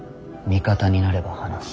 味方になれば話す。